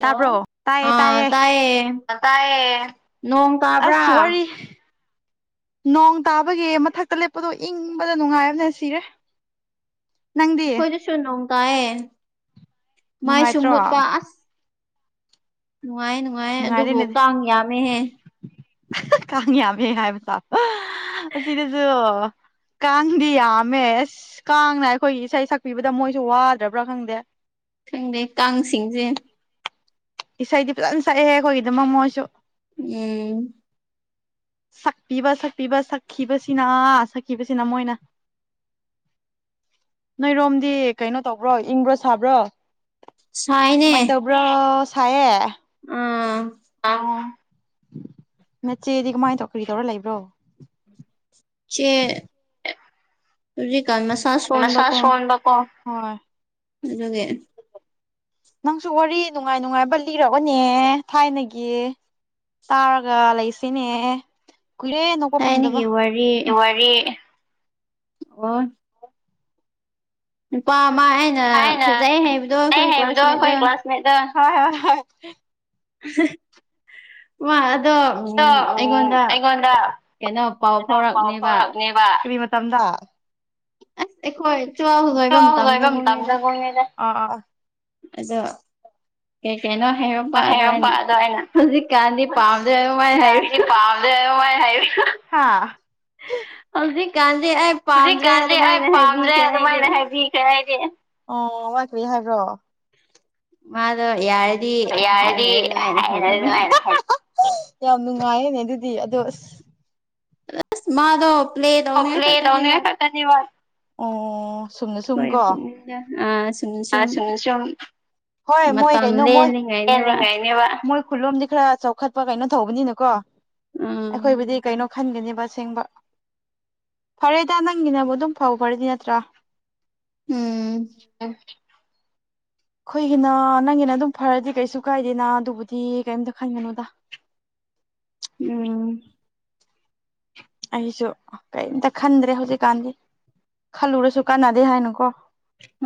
hello ꯇꯥꯏꯌꯦ ꯑꯥ ꯇꯥꯏꯌꯦ ꯇꯥꯏꯌꯦ ꯅꯣꯡ ꯇꯥꯕ꯭ꯔꯥ ꯑꯁ ꯋꯥꯔꯤ ꯅꯣꯡ ꯇꯥꯕꯒꯤ ꯃꯊꯛꯇ ꯂꯦꯞꯄꯗꯣ ꯏꯪꯕꯗ ꯅꯨꯡꯉꯥꯏ ꯑꯃꯅꯦ ꯁꯤꯔꯦ ꯅꯪꯗꯤ ꯑꯩꯈꯣꯏꯗꯁꯨ ꯅꯣꯡ ꯇꯥꯏꯌꯦ ꯃꯥꯏꯁꯨ ꯅꯨꯡꯉꯥꯏꯇ꯭ꯔꯣ ꯃꯨꯠꯄ ꯑꯁ ꯅꯨꯡꯉꯥꯏ ꯅꯨꯡꯉꯥꯏ ꯑꯗꯨꯕꯨ ꯅꯨꯡꯉꯥꯏꯔꯦꯅꯦ ꯀꯥꯡ ꯌꯥꯝꯃꯦꯍꯦ ꯀꯥꯡ ꯌꯥꯝꯃꯦ ꯍꯥꯏꯕꯁꯥ ꯑꯁꯤꯗꯁꯨ ꯀꯥꯡꯗꯤ ꯌꯥꯝꯃꯦꯁ ꯀꯥꯡꯅ ꯑꯩꯈꯣꯏꯒꯤ ꯏꯁꯩ ꯁꯛꯄꯤꯕꯗ ꯃꯣꯏꯁꯨ ꯋꯥꯗ꯭ꯔꯕ꯭ꯔꯥ ꯈꯪꯗꯦ ꯈꯪꯗꯦ ꯀꯥꯡꯁꯤꯡꯁꯦ ꯏꯁꯩꯗꯤ ꯐꯖꯅ ꯁꯛꯑꯦ ꯑꯩꯈꯣꯏꯒꯤꯗ ꯃꯣꯃꯣꯁꯨ ꯎꯝ ꯁꯛꯄꯤꯕ ꯁꯛꯄꯤꯕ ꯁꯛꯈꯤꯕꯁꯤꯅ ꯁꯛꯈꯤꯕꯁꯤꯅ ꯃꯣꯏꯅ ꯅꯣꯏꯔꯣꯝꯗꯤ ꯀꯩꯅꯣ ꯇꯧꯕ꯭ꯔꯣ ꯏꯪꯕ꯭ꯔꯣ ꯁꯥꯕ꯭ꯔꯣ ꯁꯥꯏꯅꯦ ꯕ꯭ꯔꯣ ꯁꯌꯦ ꯎꯝ ꯑ ꯃꯦꯆꯦꯗꯤ ꯀꯃꯥꯏꯅ ꯇꯧ ꯀꯔꯤ ꯇꯧꯔ ꯂꯩꯕ꯭ꯔꯣ ꯆꯦ ꯃꯁꯥ ꯃꯁ ꯁꯣꯟꯕꯀꯣ ꯁꯣꯟꯕꯀꯣ ꯑꯗꯨꯦ ꯅꯪꯁꯨ ꯋꯥꯔꯤ ꯅꯨꯡꯉꯥꯏ ꯅꯨꯡꯉꯥꯏꯕ ꯂꯤꯒꯅꯦ ꯊꯥꯏꯅꯒꯤ ꯇꯥꯔꯒ ꯂꯩꯁꯤꯅꯦ ꯀꯨꯂꯦ ꯅꯣꯛꯄ ꯐꯪꯗꯕ ꯊꯥꯏꯅꯒꯤ ꯋꯥꯔꯤ ꯑꯣ ꯅꯨꯄꯥ ꯑꯃ ꯑꯩꯅ ꯊꯥꯏꯅ ꯐꯖꯩ ꯍꯥꯏꯩꯕꯗꯣ ꯑꯩꯈꯣꯏ ꯀ꯭ꯂꯥꯁꯃꯦꯠꯅ ꯃꯗ ꯍꯣꯏ ꯍꯣꯏ ꯍ ꯋꯥ ꯑꯗꯣ ꯎꯝ ꯑꯗꯣ ꯑꯩꯉꯣꯟꯗ ꯑꯩꯉꯣꯟꯗ ꯀꯩꯅꯣ ꯄꯥꯎ ꯀꯩꯅꯣ ꯄꯥꯎ ꯐꯥꯎꯔꯛꯅꯦꯕ ꯐꯥꯎꯔꯛꯅꯦꯕ ꯃꯇꯝꯗ ꯑꯦꯈꯋꯥꯥꯏ ꯑ ꯑꯣꯏꯕ ꯇꯗꯗ ꯑ ꯑꯗ ꯀꯩ ꯀꯩꯅꯣ ꯍꯥꯏꯔꯣ ꯄꯥꯗꯣ ꯑ ꯍꯥꯏꯔꯝꯕ ꯍꯥꯏꯩꯅ ꯑꯗꯣ ꯑꯩꯅ ꯍꯧꯖꯤꯛꯀꯥꯟꯗꯤ ꯄꯥꯝꯗꯣꯏ ꯃꯥꯏ ꯍꯥꯏꯔꯨ ꯍꯥꯏ ꯍꯥ ꯍꯧꯗꯤ ꯀꯥꯟꯦ ꯍꯧꯖꯤꯛꯀꯥꯟꯗꯤ ꯑꯩ ꯄꯥꯝꯗ꯭ꯔꯦ ꯑꯗꯨꯃꯥꯏꯅ ꯍꯥꯏꯕꯤꯈ꯭ꯔꯦ ꯑꯩꯗꯤ ꯎ ꯍꯥꯏꯕ꯭ꯔꯣ ꯃꯥ ꯑꯗꯨ ꯌꯥ ꯌꯥꯔꯗꯤꯅꯨꯡ ꯌꯥꯝ ꯅꯨꯡꯉꯥꯏꯌꯦꯅꯦ ꯑꯗꯨꯗꯤ ꯑꯗꯣ ꯑꯁ ꯔꯁ ꯃꯥꯙꯞ ꯊꯄꯂ ꯈꯇꯅꯤ ꯋꯥ ꯎ ꯁꯨꯝꯅ ꯁꯨꯝ ꯑꯩꯈꯣꯏ ꯀꯣ ꯄꯨꯛꯅꯤꯡꯗ ꯑꯥ ꯁꯨꯝ ꯑ ꯁꯨꯝ ꯁ ꯆꯣ ꯍꯣꯏ ꯃꯣꯏ ꯃꯇꯝ ꯀꯩꯅꯣ ꯃꯣꯏ ꯂꯦꯟꯂꯤꯉꯥꯏꯅꯦꯕ ꯍꯦꯟꯅꯤꯡꯉꯥꯏꯅꯦꯕꯣꯏ ꯈꯨꯂꯣꯝꯗꯤ ꯈꯔ ꯆꯥꯎꯈꯠꯄ ꯀꯩꯅꯣ ꯇꯧꯕꯅꯤꯅꯀꯣ ꯎꯝ ꯑꯩꯈꯣꯏꯕꯨꯗꯤ ꯀꯩꯅꯣ ꯈꯟꯒꯅꯦꯕ ꯑꯁꯦꯡꯕ ꯐꯔꯦꯗ ꯅꯪꯒꯤꯅꯕꯨ ꯑꯗꯨꯝ ꯐꯈ꯭ꯔꯗꯤ ꯅꯠꯇ꯭ꯔꯥ ꯎꯝ ꯎꯝ ꯑꯩꯈꯣꯏꯒꯤꯅ ꯅꯪꯒꯤꯅ ꯑꯗꯨꯝ ꯐꯔꯗꯤ ꯀꯩꯁꯨ ꯀꯥꯏꯗꯦꯅ ꯑꯗꯨꯕꯨꯗꯤ ꯀꯩꯝꯇ ꯈꯟꯒꯅꯨꯗ ꯎꯝ ꯑꯩꯁꯨ ꯀꯔꯤꯝꯇ ꯈꯟꯗ꯭ꯔꯦ ꯍꯧꯖꯤꯛꯀꯥꯟꯗꯤ ꯈꯜꯂꯨꯔꯁꯨ ꯀꯥꯟꯅꯗꯦ ꯍꯥꯏꯅꯀꯣ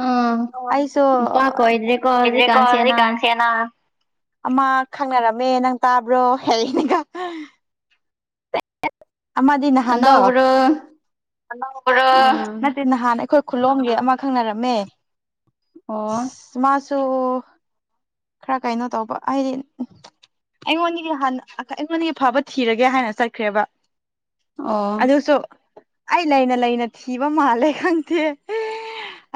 ꯑꯥ ꯑꯩꯁꯨ ꯅꯨꯄꯥ ꯀꯣꯏꯗ꯭ꯔꯦꯀꯣ ꯍꯧꯖꯤꯛꯀꯥꯟꯁꯦ ꯅꯪ [unintelligible] ꯑꯃ ꯈꯪꯅꯔꯝꯃꯦ ꯅꯪ ꯇꯥꯕ꯭ꯔꯣ ꯍꯩꯅꯥꯀꯣ ꯑꯃꯗꯤ ꯅꯍꯥꯟꯗꯣ ꯑꯅꯧꯕꯔꯣ ꯑꯅꯧꯕꯥꯔꯣ ꯑꯥ ꯅꯠꯇꯦ ꯅꯍꯥ ꯅꯍꯥꯟ ꯑꯩꯈꯣꯏ ꯈꯨꯂꯣꯝꯒꯤ ꯑꯃ ꯈꯪꯅꯔꯝꯃꯦ ꯑꯣ ꯑꯁ ꯃꯥꯁꯨ ꯈꯔ ꯀꯩꯅꯣ ꯇꯧꯕ ꯍꯥꯏꯗꯤ ꯑꯩꯉꯣꯟꯗꯒꯤ ꯍꯥꯟꯅ ꯑꯩꯉꯣꯟꯗꯒꯤ ꯐꯕ ꯊꯤꯔꯒꯦ ꯍꯥꯏꯅ ꯆꯠꯈ꯭ꯔꯦꯕ ꯑꯣ ꯑꯗꯨꯁꯨ ꯑꯩ ꯂꯩꯅ ꯂꯩꯅ ꯊꯤꯕ ꯃꯥꯜꯂꯦ ꯈꯪꯗꯦ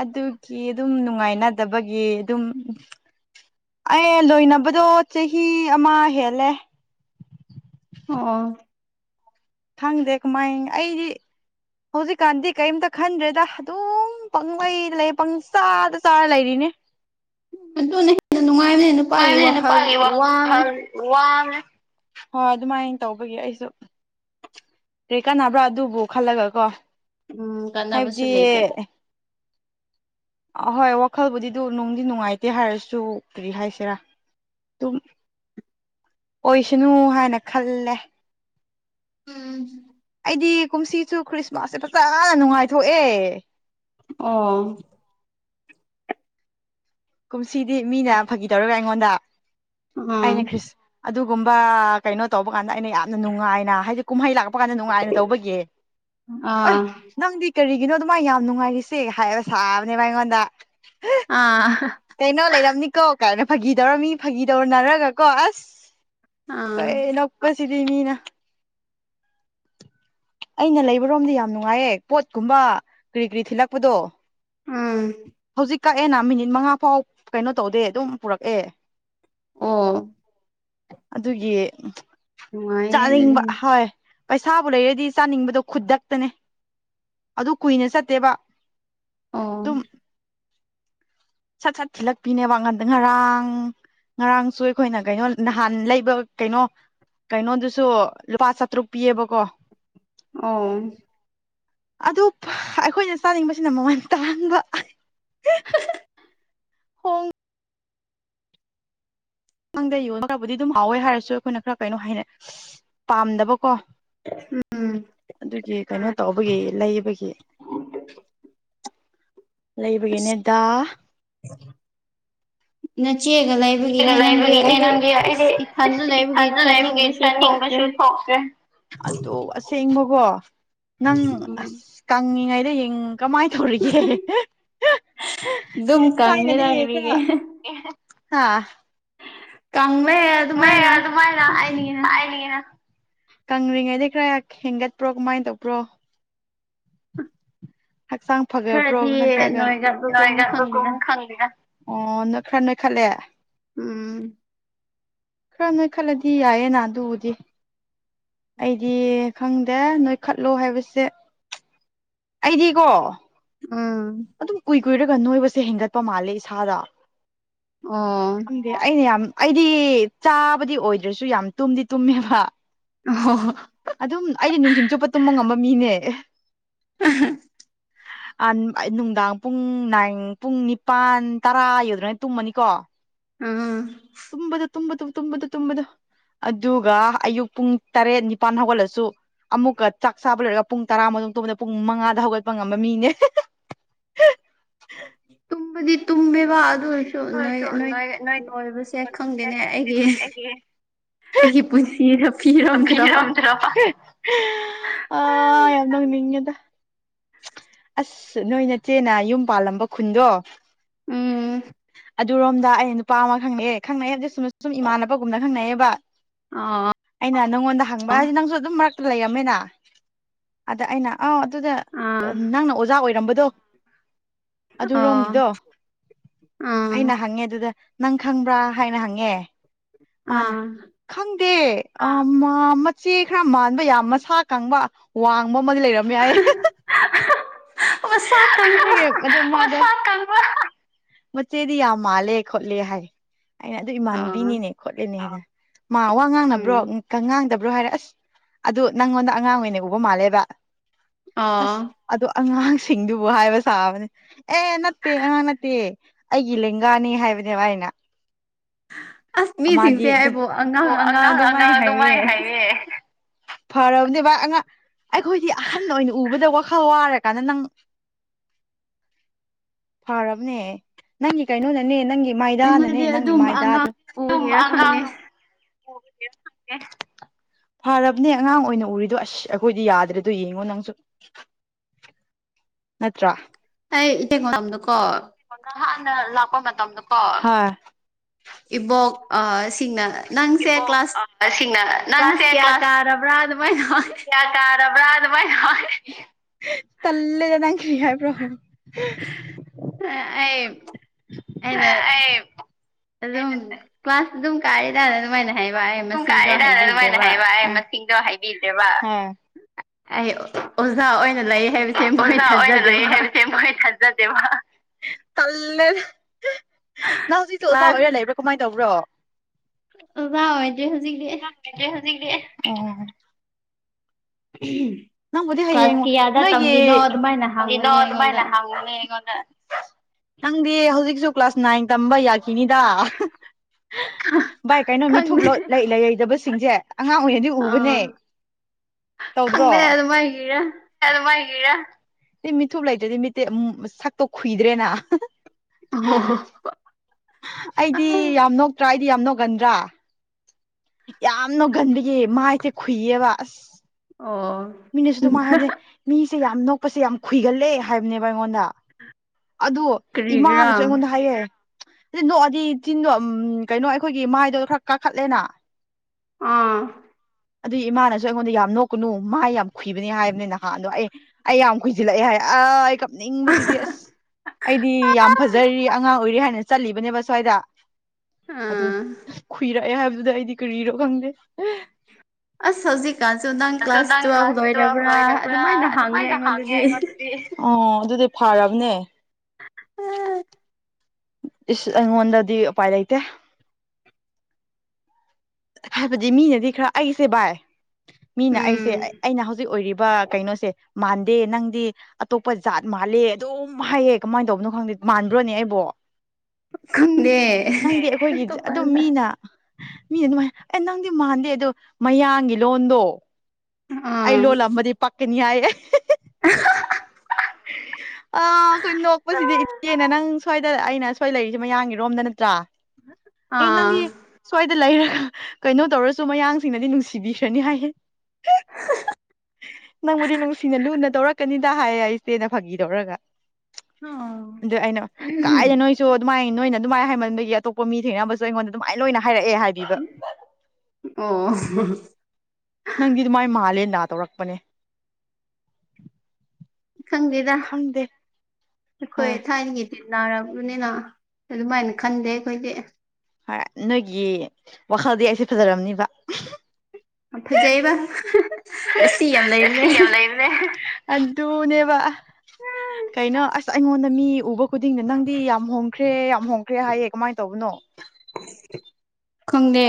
ꯑꯗꯨꯒꯤ ꯑꯗꯨꯝ ꯅꯨꯡꯉꯥꯏꯅꯗꯕꯒꯤ ꯑꯗꯨꯝ ꯑꯩꯅ ꯂꯣꯏꯅꯕꯗꯣ ꯆꯍꯤ ꯑꯃ ꯍꯦꯜꯂꯦ ꯑ‌ꯣ ꯈꯪꯗꯦ ꯀꯃꯥꯏꯅ ꯑꯩꯗꯤ ꯍꯧꯖꯤꯛꯀꯥꯟꯗꯤ ꯀꯔꯤꯝꯇ ꯈꯟꯗ꯭ꯔꯦꯗ ꯑꯗꯨꯝ ꯄꯪꯂꯩꯗ ꯂꯩ ꯄꯪꯆꯥꯗ ꯆꯥꯔ ꯂꯩꯔꯤꯅꯤ ꯑꯗꯨꯅ ꯍꯦꯟꯅ ꯅꯨꯡꯉꯥꯏꯕꯅꯤ ꯅꯨꯄꯥꯒꯤ ꯋꯥꯈꯜ ꯋꯥꯕꯅꯦ ꯋꯥꯕꯅ‌ꯦ ꯍꯣꯏ ꯑꯗꯨꯃꯥꯏꯅ ꯇꯧꯕꯒꯤ ꯑꯩꯁꯨ ꯀꯔꯤ ꯀꯥꯟꯅꯕ꯭ꯔꯥ ꯑꯗꯨꯕꯨ ꯈꯜꯂꯒ ꯀꯣ ꯎꯝ ꯀꯥꯟꯅꯕꯁꯨ ꯍꯥꯏꯕꯗꯤ ꯂꯩꯇꯦ ꯑꯍꯣꯏ ꯋꯥꯈꯜꯕꯨꯗꯤ ꯑꯗꯨ ꯅꯨꯡꯗꯤ ꯅꯨꯡꯉꯥꯏꯇꯦ ꯍꯥꯏꯔꯁꯨ ꯀꯔꯤ ꯍꯥꯏꯁꯤꯔꯥ ꯑꯗꯨꯝ ꯑꯣꯏꯁꯅꯨ ꯍꯥꯏꯅ ꯈꯜꯂꯦ ꯎꯝ ꯎꯝꯝ ꯑꯩꯗꯤ ꯀꯨꯝꯁꯤꯁꯨ ꯈ꯭ꯔꯤꯁꯃꯥꯁꯁꯦ ꯐꯖꯅ ꯅꯨꯡꯉꯥꯏꯊꯣꯛꯑꯦ ꯑ‌ꯣ ꯀꯨꯝꯁꯤꯗꯤ ꯃꯤꯅ ꯐꯥꯒꯤ ꯇꯧꯔꯒ ꯑꯩꯉꯣꯟꯗ ꯑꯩꯅ ꯎꯝ ꯈ꯭ꯔꯤꯁ ꯑꯗꯨꯒꯨꯝꯕ ꯀꯩꯅꯣ ꯇꯧꯕ ꯀꯥꯟꯗ ꯑꯩꯅ ꯌꯥꯝꯅ ꯅꯨꯡꯉꯥꯏꯅ ꯍꯥꯏ ꯀꯨꯝꯍꯩ ꯂꯥꯛꯄ ꯀꯥꯟꯗ ꯅꯨꯡꯉꯥꯏꯅ ꯇꯧꯕꯒꯤ ꯑꯣꯁ ꯑꯥ ꯅꯪꯗꯤ ꯀꯔꯤꯒꯤꯅꯣ ꯑꯗꯨꯃꯥꯏ ꯌꯥꯝ ꯅꯨꯡꯉꯥꯏꯔꯤꯁꯦ ꯍꯥꯏꯕ ꯁꯥꯕꯅꯦꯕ ꯑꯩꯉꯣꯟꯗ ꯑꯥ ꯀꯩꯅꯣ ꯂꯩꯔꯝꯅꯤꯀꯣ ꯀꯥꯏꯅ ꯐꯥꯒꯤ ꯇꯧꯔ ꯃꯤ ꯐꯥꯒꯤ ꯇꯧꯅꯔꯒ ꯀꯣ ꯑꯁ ꯑꯥ ꯅꯣꯛꯄꯁꯤꯗꯤ ꯃꯤꯅ ꯑꯩꯅ ꯂꯩꯕꯔꯣꯝꯗꯤ ꯌꯥꯝ ꯅꯨꯡꯉꯥꯏꯌꯦ ꯄꯣꯠꯀꯨꯝꯕ ꯀꯔꯤ ꯀꯔꯤ ꯊꯤꯜꯂꯛꯄꯗꯣ ꯎꯝ ꯍꯧꯖꯤꯛ ꯀꯛꯑꯦꯅ ꯃꯤꯅꯤꯠ ꯃꯉꯥ ꯐꯥꯎ ꯀꯩꯅꯣ ꯇꯧꯗꯦ ꯑꯗꯨꯝ ꯄꯨꯔꯛꯑꯦ ꯑꯣ ꯑꯗꯨꯒꯤ ꯅꯨꯡꯉꯥꯏꯅꯦ ꯑꯗꯨꯗꯤ ꯆꯥꯅꯤꯡꯕ ꯍꯣꯏ ꯄꯩꯁꯥꯕꯨ ꯂꯩꯔꯗꯤ ꯆꯥꯅꯤꯡꯕꯗꯣ ꯈꯨꯗꯛꯇꯅꯦ ꯑꯗꯨ ꯀꯨꯏꯅ ꯆꯠꯇꯦꯕ ꯑꯣ ꯇꯨꯝ [inaudible] ꯁꯠ ꯁꯠ ꯊꯤꯜꯂꯛꯄꯤꯅꯦꯕ ꯉꯟꯗ ꯉꯔꯥꯡ ꯉꯔꯥꯡꯁꯨ ꯑꯩꯈꯣꯏꯅ ꯀꯩꯅꯣ ꯅꯍꯥꯟ ꯂꯩꯕ ꯀꯩꯅꯣ ꯀꯩꯅꯣꯗꯨꯁꯨ ꯂꯨꯄꯥ ꯆꯥꯇ꯭ꯔꯨꯛ ꯄꯤꯌꯦꯕꯀꯣ ꯑꯎꯝ ꯑꯗꯨ ꯑꯩꯈꯣꯏꯅ ꯆꯥꯅꯤꯡꯕꯁꯤꯅ ꯃꯃꯟ ꯇꯥꯡꯕ ꯍꯣꯡ ꯅꯪꯗ ꯌꯣꯟꯔ ꯈꯔꯕꯨꯗꯤ ꯑꯗꯨꯝ ꯍꯥꯎꯋꯦ ꯍꯥꯏꯔꯁꯨ ꯑꯩꯈꯣꯏꯅ ꯈꯔ ꯀꯩꯅꯣ ꯍꯩꯅ ꯄꯥꯝꯗꯕꯀꯣ ꯎꯝ ꯑꯗꯨꯒꯤ ꯀꯩꯅꯣ ꯇꯧꯕꯒꯤ ꯂꯩꯕꯒꯤ ꯂꯩꯕꯒꯤꯅꯦꯗ ꯎꯝ [inaudible] ꯅꯪꯗꯤ ꯂꯩꯕꯒꯤꯅꯦ ꯑꯩꯗꯤ ꯅꯪꯒꯤ ꯑꯩꯗꯤ ꯑꯁ ꯏꯊꯟꯗ ꯂꯩꯕꯒꯤ ꯏꯊꯟꯗ ꯂꯩꯕꯒꯤ ꯆꯥꯅꯤꯡꯕꯁꯨ ꯊꯣꯛꯇ꯭ꯔꯦ ꯆꯠꯅꯤꯡꯕꯁꯨ ꯑꯗꯨ ꯁꯦꯡꯕꯀꯣ ꯅꯪ ꯑ ꯎꯝ ꯀꯪꯉꯤꯉꯩꯗ ꯀꯃꯥꯏꯅ ꯇꯧꯔꯤꯒꯦ ꯑꯗꯨꯝ ꯊꯥꯏꯅꯗ ꯀꯪꯉꯤꯔ ꯍꯦꯛ ꯀꯔꯤꯒꯤ ꯈꯔ ꯍꯥꯥ ꯀꯥꯡꯂꯦꯜ ꯃꯩ ꯑꯗꯨꯃꯥꯏꯅ ꯍꯥꯏꯅꯤꯡꯉꯤꯅ ꯀꯪꯂꯤꯔꯤꯉꯩꯗ ꯀꯔ ꯍꯦꯟꯒꯠꯄ꯭ꯔꯣ ꯀꯃꯥꯏ ꯇꯧꯕ꯭ꯔꯣ ꯍꯛꯆꯥꯡ ꯐꯕ꯭ꯔꯣ ꯈꯔꯗꯤ ꯅꯠꯇ꯭ꯔꯒ ꯅꯣꯏꯒꯠꯄꯒꯨꯝ ꯈꯪꯗꯦꯗ ꯑꯣ ꯅꯣꯏ ꯈꯔ ꯅꯣꯏꯈꯠꯂꯦ ꯎꯝ ꯈꯔꯅ ꯈꯜꯂꯗꯤ ꯌꯥꯏꯌꯦꯅ ꯑꯗꯨꯕꯨꯗꯤ ꯑꯩꯗꯤ ꯈꯪꯗꯦ ꯅꯣꯏ ꯈꯠꯂꯣ ꯍꯥꯏꯕꯁꯦ ꯑꯩꯗꯤꯀꯣ ꯎꯝ ꯑꯗꯨꯝ ꯀꯨꯏ ꯀꯨꯏꯔꯒ ꯅꯣꯏꯕꯁꯦ ꯍꯦꯟꯒꯠꯄ ꯃꯥꯜꯂꯦ ꯏꯁꯥꯗ ꯑꯣ ꯈꯪꯗꯦ ꯑꯩꯅ ꯌꯥꯝ ꯑꯩꯗꯤ ꯆꯥꯕꯗꯤ ꯑꯣꯏꯗ꯭ꯔꯁꯨ ꯌꯥꯝ ꯇꯨꯝꯗꯤ ꯇꯨꯝꯃꯦꯕ [unintelligible] ꯑꯗꯨꯝ ꯑꯩꯗꯤ ꯅꯨꯡꯊꯤꯟ ꯆꯨꯞꯄ ꯇꯨꯝꯕ ꯉꯝꯕ ꯃꯤꯅꯦ [unintelligible] ꯅꯨꯡꯗꯥꯡ ꯄꯨꯡ ꯅꯥꯏ ꯄꯨꯡ ꯅꯤꯄꯥꯟ ꯇꯔꯥ ꯌꯧꯗꯅ ꯇꯨꯝꯃꯅꯤꯀꯣ ꯎꯝ ꯇꯨꯝꯕꯗ ꯇꯗꯨ ꯇꯨꯝꯕꯗ ꯇꯨꯝꯕꯗ ꯑꯗꯨꯒ ꯑꯌꯨꯛ ꯄꯨꯡ ꯇꯔꯦꯠ ꯅꯤꯄꯥꯜ ꯍꯧꯒꯠꯂꯁꯨ ꯑꯃꯨꯛꯀ ꯆꯥꯛ ꯆꯥꯕ ꯂꯣꯏꯔꯒ ꯄꯨꯡ ꯇꯔꯥ ꯃꯇꯨꯡ ꯇꯣꯕꯗ ꯄꯨꯡ ꯃꯉꯥꯗ ꯍꯧꯒꯠꯄ ꯉꯝꯕ ꯃꯤꯅꯦ [unintelligible] ꯇꯨꯝꯕꯗꯤ ꯇꯨꯝꯃꯦꯕ ꯑꯗꯨ ꯅꯣꯏ ꯅꯣꯏ ꯅꯣꯏꯕꯁꯦ ꯈꯪꯗꯦꯅꯦ ꯑꯩꯒꯤ ꯑꯩꯒꯤ ꯑꯩꯒꯤ ꯄꯨꯟꯁꯤ [unintelligible] [unintelligible] ꯑꯥ ꯌꯥꯝ ꯅꯣꯅꯤꯡꯉꯦꯗ [unintelligible] ꯑꯁ ꯅꯣꯏ ꯅ ꯆꯦꯅ ꯌꯨꯝ ꯄꯥꯜꯂꯝꯕ ꯈꯨꯟꯗꯣ ꯎꯝ ꯑꯗꯨꯔꯣꯝꯗ ꯑꯩ ꯅꯨꯄꯥ ꯑꯃ ꯈꯪꯅꯩꯑꯦ ꯈꯪꯅꯩ ꯍꯥꯏꯕꯗꯤ ꯁꯨꯝ ꯁꯨꯝ ꯏꯃꯥꯟꯅꯕꯒꯨꯝꯅ ꯈꯪꯅꯩꯌꯦꯕ ꯑꯥ ꯑꯩꯅ ꯅꯪꯉꯣꯟꯗ ꯍꯪꯕ ꯍꯥꯏꯁꯤ ꯅꯪꯁꯨ ꯑꯗꯨꯝ ꯃꯔꯛꯇ ꯂꯩꯔꯝꯃꯤꯅ ꯑꯗ ꯑꯩꯅ ꯑꯥ ꯑꯗꯨꯗ ꯑꯥ ꯅꯪꯅ ꯑꯣꯖꯥ ꯑꯣꯏꯔꯝꯕꯗꯣ ꯑꯗꯨ ꯑꯣ ꯔꯣꯝꯒꯤꯗꯣ ꯑꯥ ꯑꯩꯅ ꯍꯪꯉꯦ ꯑꯗꯨꯗ ꯅꯪ ꯈꯪꯕ꯭ꯔꯥ ꯍꯥꯏꯅ ꯍꯪꯉꯦ ꯃꯥꯅ ꯑꯥ ꯈꯪꯗꯦ ꯃꯆꯦ ꯈꯔ ꯃꯥꯟꯕ ꯌꯥꯝ ꯃꯁꯥ ꯀꯪꯕ ꯋꯥꯡꯕ ꯑꯃꯗꯤ ꯂꯩꯔꯝ ꯌꯥꯏ ꯃꯁꯥ ꯀꯪꯕ [unintelligible] ꯃꯆꯦꯗꯤ ꯌꯥꯝ ꯃꯥꯜꯂꯦ ꯈꯣꯠꯂꯦ ꯍꯥꯏ ꯑꯩꯅ ꯑꯗꯨ ꯑꯥ ꯏꯃꯥꯟꯕꯤꯅꯤꯅꯦ ꯈꯣꯠꯂꯦꯅꯦ ꯍꯥꯏꯅ ꯃꯥ ꯋꯥ ꯉꯥꯡꯅꯕ꯭ꯔꯣ ꯎꯝ ꯉꯥꯡꯗꯕ꯭ꯔꯣ ꯍꯥꯏꯔꯦ ꯑꯁ ꯑꯗꯨ ꯅꯪꯉꯣꯟꯗ ꯑꯉꯥꯡ ꯑꯣꯏꯅ ꯎꯕ ꯃꯥꯜꯂꯦꯕ ꯑꯁ ꯑꯣ ꯑꯗꯣ ꯑꯉꯥꯡꯁꯤꯡꯗꯨꯕꯨ ꯍꯥꯏꯕ ꯁꯥꯥꯕꯅꯤ ꯑꯦ ꯅꯠꯇꯦ ꯑꯉꯥꯡ ꯅꯠꯇꯦ ꯑꯩꯒꯤ ꯂꯦꯡꯒꯥꯅꯤ ꯍꯥꯏꯕꯅꯦꯕ ꯑꯩꯅ ꯑꯁ ꯑꯃꯗꯤ ꯃꯤꯁꯤꯡꯁꯦ ꯑꯗꯨ ꯑꯩꯕꯨꯣ ꯑꯉꯥꯡ ꯑꯉꯥꯡ ꯑꯗꯨ ꯃꯥꯏꯅ ꯍꯥꯏꯌꯦ [unintelligible] ꯐꯔꯕꯅꯦ ꯚꯏ ꯑꯉ ꯑꯩꯈꯣꯏꯗꯤ ꯑꯍꯟ ꯑꯣꯏꯅ ꯎꯕꯗ ꯈꯋꯥꯔꯦ ꯀꯥꯟꯅ ꯅꯪ ꯐꯔꯕꯅꯦ ꯅꯪꯒꯤ ꯀꯩꯅꯣꯅꯅꯦ ꯅꯪꯒꯤ ꯃꯥꯏꯗꯥꯅꯅꯦ ꯑꯩꯉꯣꯟꯗꯗꯤ ꯅꯪꯒꯤ ꯑꯗꯨꯝ ꯃꯥꯏꯗꯥ ꯑꯉꯥꯡ ꯑꯣꯏꯒꯦꯔꯥ ꯈꯪꯗꯦ ꯑꯗꯨꯉꯥꯡ ꯦ ꯐꯔꯕꯅꯦ ꯑꯉꯥꯡ ꯑꯣꯏꯅ ꯎꯔꯤꯗꯣ ꯑꯁ ꯑꯩꯈꯣꯏꯗꯤ ꯌꯥꯗ꯭ꯔꯦꯗꯣ ꯌꯦꯡꯉꯣ ꯅꯪꯁꯨ ꯅꯠꯇ꯭ꯔꯥ ꯑꯩ ꯏꯇꯩꯝꯀꯣ ꯍꯥꯟꯅ ꯂꯥꯛꯄ ꯃꯇꯝꯗ ꯀꯣ ꯏꯕꯣꯛ ꯑ ꯁꯤꯡꯅ ꯅꯪꯁꯦ ꯏꯕꯣꯛ ꯀ꯭ꯂꯥꯁ ꯁꯤꯡꯅ ꯅꯪꯁꯦ ꯀ꯭ꯂꯥꯁ ꯀꯌꯥ ꯀꯥꯔꯕ꯭ꯔꯥ ꯑꯗꯨꯃꯥꯏꯅ ꯍꯥꯏ ꯀꯌꯥ ꯀꯥꯔꯕ꯭ꯔꯥ ꯑꯗꯨꯃꯥꯏꯅ ꯇꯜꯂꯦꯗ ꯅꯪ ꯀꯔꯤ ꯍꯥꯏꯕ꯭ꯔꯣ ꯑ ꯑꯩ ꯑꯩꯅ ꯑꯩ ꯑꯩꯅ ꯑꯗꯨꯝ ꯀ꯭ꯂꯥꯁ ꯑꯗꯨꯝ ꯀꯥꯔꯦꯗꯅ ꯑꯗꯨꯃꯥꯏꯅ ꯍꯥꯏꯕ ꯑꯩ ꯑꯗꯨ ꯃꯁꯤꯡꯗꯣ ꯀꯥꯔꯦꯗꯅ ꯑꯗꯨꯃꯥꯏꯅ ꯍꯥꯏꯕꯤꯗ꯭ꯔꯦꯕ ꯍꯥꯏꯕ ꯁꯤꯡꯗꯣ ꯍꯥꯏꯕꯤꯗ꯭ꯔꯦꯕ ꯑꯩ ꯑꯣꯖꯥ ꯑꯣꯏꯅ ꯂꯩ ꯍꯥꯏꯕꯁꯦ ꯃꯣꯏ ꯊꯥꯖꯗꯦꯕ ꯗꯦꯕ ꯇꯜꯂꯦ ꯅꯪ ꯍꯧꯖꯤꯛꯁꯨ ꯑꯣꯖꯥ ꯀ꯭ꯂꯥꯁ ꯑꯣꯏꯔ ꯂꯩꯕ꯭ꯔꯥ ꯀꯃꯥꯏꯅ ꯇꯧꯕ꯭ꯔꯣ ꯑꯣꯖꯥ ꯑꯣꯏꯗ꯭ꯔꯦ ꯍꯧꯖꯤꯛꯇꯤ ꯗ꯭ꯔꯦ ꯍꯧꯖꯤꯛꯇꯤ ꯑꯣ ꯎꯝ ꯅꯪꯕꯨꯗꯤ ꯍꯌꯦꯡ ꯅꯣꯏꯒꯤ ꯑꯗꯨꯃꯥꯏꯅ ꯍꯪꯕꯅꯦ ꯑꯩꯉꯣꯟꯗ ꯑꯗꯨꯃꯥꯏꯅ ꯍꯪꯕꯅꯦ ꯑꯩꯉꯣꯟꯗ ꯅꯪꯗꯤ ꯍꯧꯖꯤꯛꯁꯨ ꯀ꯭ꯂꯥꯁ ꯅꯥꯏꯟ ꯇꯝꯕ ꯌꯥꯒꯦ ꯒꯤꯅꯤꯗ ꯚꯥꯏ ꯀꯩꯅꯣ ꯈꯪꯗꯦ ꯃꯤꯊꯨꯞꯂꯣ ꯂꯩ ꯂꯩꯗꯕꯁꯤꯡꯁꯦ ꯑꯉꯥꯡ ꯑꯣꯏꯅꯗꯤ ꯎꯕꯅꯦ ꯑꯥ ꯇꯧꯗ꯭ꯔꯣ ꯈꯪꯗꯦ ꯑꯗꯨꯃꯥꯏꯒꯤꯔ ꯒꯤꯔ ꯁꯤ ꯃꯤꯊꯨꯞ ꯂꯩꯇ꯭ꯔꯗꯤ ꯃꯤꯠꯇꯦ ꯁꯛꯇꯣ ꯈꯨꯨꯏꯗ꯭ꯔꯦꯅ ꯍ ꯍꯣ ꯑꯩꯗꯤ ꯌꯥꯝ ꯅꯣꯛꯇ꯭ꯔꯥ ꯑꯩꯗꯤ ꯌꯥꯝ ꯅꯣꯛꯀꯟꯗ꯭ꯔꯥ ꯌꯥꯝ ꯅꯣꯛꯀꯟꯕꯒꯤ ꯃꯥꯏꯁꯦ ꯈꯨꯨꯏꯌꯦꯕ ꯑꯁ ꯑꯣ ꯃꯤꯅꯁꯨ ꯑꯗꯨꯝꯃꯥꯏ ꯍꯥꯏꯕꯅꯦ ꯃꯤꯁꯦ ꯌꯥꯝ ꯅꯣꯛꯄꯁꯦ ꯌꯥꯝ ꯈꯨꯏꯒꯜꯂꯦ ꯍꯥꯏꯕꯅꯦꯕ ꯑꯩꯉꯣꯟꯗ ꯑꯗꯣ ꯀꯔꯤꯒꯤꯔꯥ ꯏꯃꯥꯅꯁꯨ ꯑꯩꯉꯣꯟꯗ ꯍꯥꯏꯌꯦ ꯑꯗꯨ ꯅꯣꯛꯑꯗꯤ ꯆꯤꯟꯗꯣ ꯎ ꯀꯩꯅꯣ ꯑꯩꯈꯣꯏꯒꯤ ꯃꯥꯏꯗꯣ ꯈꯔ ꯀꯥꯈꯠꯂꯦꯅ ꯑꯥ ꯑꯗꯨꯏ ꯏꯃꯥꯅꯁꯨ ꯑꯩꯉꯣꯟꯗ ꯌꯥꯝ ꯅꯣꯛꯀꯅꯨ ꯃꯥꯏ ꯌꯥꯝ ꯈꯨꯏꯕꯅꯤ ꯍꯥꯏꯕꯅꯦ ꯅꯍꯥꯟꯗꯣ ꯑꯩ ꯑꯩ ꯌꯥꯝ ꯈꯨꯏꯁꯤꯜꯂꯛꯑꯦ ꯍꯥꯏ ꯑꯩ ꯅꯤꯡꯕꯁꯤꯗꯤ ꯑꯁ ꯑꯩꯗꯤ ꯌꯥꯝ ꯐꯖꯔꯤ ꯑꯉꯥꯡ ꯑꯣꯏꯔꯤ ꯍꯥꯏꯅ ꯆꯠꯂꯤꯕꯅꯦꯕ ꯁ꯭ꯋꯥꯏꯗ ꯑꯗꯨ ꯑꯥ ꯈꯨꯨꯏꯔꯛꯑꯦ ꯍꯥꯏꯕꯗꯨꯗ ꯑꯩꯗꯤ ꯀꯔꯤꯔꯣ ꯈꯪꯗꯦ ꯑꯁ ꯍꯧꯖꯤꯛꯀꯥꯟꯁꯨ ꯅꯪ ꯑꯗꯣ ꯀ꯭ꯂꯥꯁ ꯅꯪ ꯇꯨꯋꯦꯜꯕ ꯀ꯭ꯂꯥꯁ ꯇꯨꯋꯦꯜꯕ ꯂꯣꯏꯔꯕ꯭ꯔꯥ ꯑꯗꯨꯃꯥꯏꯅ ꯍꯪꯉꯦ ꯑꯗꯨꯃꯥꯏꯅ ꯑꯩꯉꯣꯟꯗꯗꯤ ꯑꯣ ꯑꯗꯨꯗꯤ ꯐꯥꯔꯕꯅꯦ ꯎꯝ ꯏꯁ ꯑꯩꯉꯣꯟꯗꯗꯤ ꯎꯄꯥꯏ ꯂꯩꯇꯦ ꯍꯥꯏꯕꯗꯤ ꯃꯤꯅꯗꯤ ꯈꯔ ꯑꯩꯁꯦ ꯕꯥꯏ ꯃꯤꯅ ꯑꯩꯁꯦ ꯎꯝ ꯑꯩꯅ ꯍꯧꯖꯤꯛ ꯑꯣꯏꯔꯤꯕ ꯀꯩꯅꯣꯁꯦ ꯃꯥꯟꯗꯦ ꯅꯪꯗꯤ ꯑꯇꯣꯞꯄ ꯖꯥꯠ ꯃꯥꯜꯂꯦ ꯑꯗꯨꯝ ꯍꯥꯏꯌꯦ ꯀꯃꯥꯏꯅ ꯇꯧꯕꯅꯣ ꯈꯪꯗꯦ ꯃꯥꯟꯕ꯭ꯔꯣꯅꯦ ꯑꯩꯕꯣ ꯈꯪꯗꯦ ꯅꯪꯗꯤ ꯑꯩꯈꯣꯏꯒꯤ ꯑꯗꯨꯝ ꯇꯣꯞꯄꯜꯗ ꯃꯤꯅ ꯃꯤ ꯑꯗꯨꯃꯥꯏ ꯑꯦ ꯅꯪꯗꯤ ꯃꯥꯟꯗꯦ ꯑꯗꯣ ꯃꯌꯥꯡꯒꯤ ꯂꯣꯟꯗꯣ ꯑꯩ ꯑꯥ ꯂꯣꯜꯂꯝꯃꯗꯤ ꯄꯛꯀꯅꯤ ꯑꯌꯦ ꯑꯥꯍꯥ [inaudible] ꯑ ꯑꯩꯈꯣꯏ ꯅꯣꯛꯄꯁꯤꯗꯤ ꯏꯆꯦꯅ ꯅꯪ ꯁ꯭ꯋꯥꯏꯗ ꯑꯩꯅ ꯁ꯭ꯋꯥꯏ ꯂꯩꯔꯤꯁꯦ ꯃꯌꯥꯡꯒꯤꯔꯣꯝꯗ ꯅꯠꯇ꯭ꯔꯥ [inaudible] ꯑꯦ ꯅꯪꯗꯤ ꯁ꯭ꯋꯥꯏꯗ ꯂꯩꯔꯒ ꯀꯩꯅꯣ ꯇꯧꯔꯁꯨ ꯃꯌꯥꯡꯁꯤꯡꯅꯗꯤ ꯅꯨꯡꯁꯤꯕꯤꯈ꯭ꯔꯅꯤ ꯍꯥꯏꯌꯦ ꯅꯪꯕꯨꯗꯤ ꯅꯨꯡꯁꯤꯅ ꯂꯨꯅ ꯇꯧꯔꯛꯀꯅꯤꯗ ꯍꯥꯏꯌꯦ ꯑꯩ ꯏꯆꯦꯅ ꯐꯥꯒꯤ ꯇꯧꯔꯒ ꯑꯣ ꯑꯗꯨ ꯑꯩꯅ ꯀꯥꯏꯗꯩꯅꯣ ꯁꯨ ꯑꯗꯨꯃꯥꯏꯅ ꯅꯣꯏꯅ ꯑꯗꯨꯃꯥꯏꯅ ꯍꯥꯏꯃꯟꯕꯒꯤ ꯑꯇꯣꯞꯄ ꯃꯤ ꯊꯦꯡꯅꯕꯁꯨ ꯑꯩꯉꯣꯟꯗ ꯑꯗꯨꯃꯥꯏꯅ ꯂꯣꯏꯅ ꯍꯥꯏꯔꯛꯑꯦ ꯍꯥꯏꯕꯤꯕ ꯑꯣ ꯅꯪꯗꯤ ꯑꯗꯨꯃꯥꯏ ꯃꯥꯜꯂꯦꯅ ꯇꯧꯔꯛꯄꯅꯦ ꯈꯪꯗꯦꯗ ꯈꯪꯗ‌ꯦ ꯑꯩꯈꯣꯏ ꯊꯥꯏꯅꯒꯤ ꯇꯤꯅꯔꯛ ꯄꯥꯅꯤꯅ ꯑꯗꯨꯃꯥꯏ ꯈꯟꯗꯦ ꯑꯩꯈꯣꯏꯗꯤ ꯍꯣꯏ ꯅꯣꯏꯒꯤ ꯋꯥꯈꯜꯗꯤ ꯑꯩꯁꯦ ꯐꯖꯔꯝꯅꯤꯕ ꯌꯥꯝ ꯐꯖꯩꯕ ꯔꯁꯤ ꯌꯥꯝ ꯂꯩꯕꯅꯦ ꯔꯥꯁꯤ ꯌꯥꯝ ꯂꯩꯕꯅꯦ ꯑꯗꯨꯅꯦꯕ ꯀꯩꯅꯣ ꯑꯁ ꯑꯩꯉꯣꯟꯗ ꯃꯤ ꯎꯕ ꯈꯨꯗꯤꯡꯗ ꯅꯪꯗꯤ ꯌꯥꯝ ꯍꯣꯡꯈ꯭ꯔꯦ ꯌꯥꯝ ꯍꯣꯡꯈ꯭ꯔꯦ ꯍꯥꯏꯌꯦ ꯀꯃꯥꯏꯅ ꯇꯧꯕꯅꯣ ꯈꯪꯗꯦ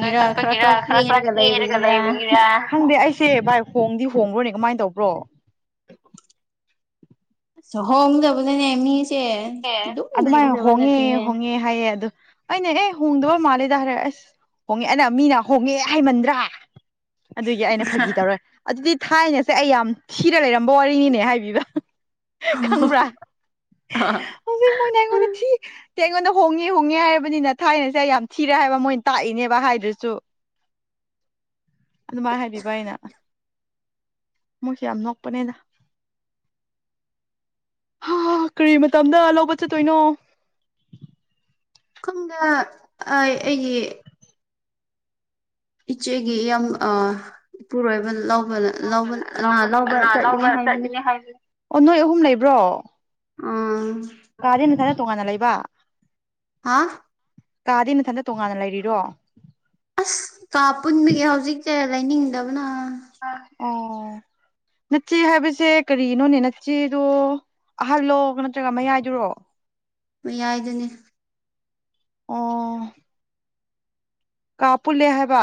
ꯅꯣꯏ ꯈꯠꯄꯒꯤꯔ ꯈꯔ ꯈꯔ ꯀꯦꯔꯒ ꯂꯩꯕꯒꯤꯔ ꯈꯪꯗꯦ ꯑꯩꯁꯦ ꯚꯥꯏ ꯍꯣꯡꯗꯤ ꯍꯣꯡꯕ꯭ꯔꯣꯅꯦ ꯀꯃꯥꯏꯅ ꯇꯧꯕ꯭ꯔꯣ ꯍꯣꯡꯒꯗꯕꯅꯤꯅꯦ ꯃꯤꯁꯦ ꯑꯗꯨꯝ ꯑꯗꯨꯃꯥꯏ ꯂꯩꯒꯗꯕ ꯍꯣꯡꯉꯦ ꯅꯠꯇꯦꯅꯦ ꯍꯣꯡꯉꯦ ꯍꯥꯏꯌꯦ ꯑꯗꯣ ꯑꯩꯅ ꯑꯦ ꯍꯣꯡꯗꯕ ꯃꯥꯜꯂꯦꯗ ꯍꯥꯏꯔ ꯑꯁ ꯍꯣꯡꯉꯦ ꯑꯗ ꯃꯤꯅ ꯍꯣꯡꯉꯦ ꯍꯥꯏꯃꯟꯗ꯭ꯔꯥ ꯑꯗꯨꯒꯤ ꯑꯩꯅ ꯐꯥꯒꯤ ꯇꯧꯔ ꯑꯗꯨꯗꯤ ꯊꯥꯏꯅꯁꯦ ꯑꯩ ꯌꯥꯝ ꯊꯤꯔ ꯂꯩꯔꯝꯕ ꯋꯥꯔꯤꯅꯤꯅꯦ ꯍꯥꯏꯕꯤꯕ ꯈꯪꯕ꯭ꯔꯥ ꯍꯧꯖꯤꯛ ꯃꯣꯏꯅ ꯑꯩꯉꯣꯟꯗ ꯊꯤ ꯁꯦ ꯑꯩꯉꯣꯟꯗ ꯍꯣꯡꯉꯦ ꯍꯣꯡꯉꯦ ꯍꯥꯏꯔꯕꯅꯤꯅ ꯊꯥꯏꯅꯁꯦ ꯑꯩ ꯌꯥꯝ ꯊꯤꯔꯦ ꯍꯥꯏꯕ ꯃꯣꯏꯅ ꯇꯥꯛꯏꯅꯦꯕ ꯍꯥꯏꯗ꯭ꯔꯁꯨ [inaudible] ꯑꯗꯨꯃꯥꯏ ꯍꯥꯏꯕꯤꯕ ꯑꯩꯅ ꯃꯣꯏꯁꯦ ꯌꯥꯝ ꯅꯣꯛꯄꯅꯦꯗ ꯍꯥ ꯀꯔꯤ ꯇꯝꯗ ꯂꯧꯕ ꯆꯠꯇꯣꯏꯅꯣ ꯈꯪꯗꯦ ꯑꯥꯏ ꯑꯩꯒꯤ ꯏꯆꯦꯒꯤ ꯌꯥꯝ ꯑ ꯏꯄꯨꯔꯣꯏꯕꯅ ꯂꯧꯕ ꯂꯧꯕ ꯂꯧꯕ ꯆꯠꯀꯅꯤ ꯍꯥꯏꯕꯅꯦ ꯑꯣ ꯅꯣꯏ ꯑꯍꯨꯝ ꯂꯩꯕ꯭ꯔꯣ ꯑꯥ ꯀꯥꯗꯤ ꯅꯊꯟ ꯇꯣꯉꯥꯟꯅ ꯂꯩꯕ ꯍꯥ ꯀꯥꯗꯤ ꯅꯊꯟꯇ ꯇꯣꯉꯥꯟꯅ ꯂꯩꯔꯤꯔꯣ ꯑꯁ ꯀꯥ ꯄꯨꯟꯕꯒꯤ ꯍꯧꯖꯤꯛꯁꯦ ꯂꯩꯅꯤꯡꯗꯕꯅ ꯑꯣ ꯅꯆ‌ꯦ ꯍꯥꯏꯕꯁꯦ ꯀꯔꯤꯅꯣꯅꯦ ꯅꯆ‌ꯦꯗꯣ ꯑꯍꯜꯂꯣ ꯅꯠꯇ꯭ꯔꯒ ꯃꯌꯥꯏꯗꯨꯔꯣ ꯃꯌꯥꯏꯗꯨꯅꯤ ꯑꯣ ꯀꯥ ꯄꯨꯟꯂꯦ ꯍꯥꯏꯕ